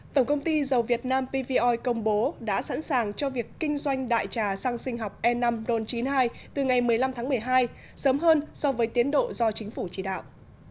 tổng công ty dầu việt nam pvoi công bố đã sẵn sàng cho việc kinh doanh đại trà xăng sinh học e năm ron chín mươi hai từ ngày một mươi năm tháng một mươi hai sớm hơn so với tiến độ do chính phủ chỉ đạo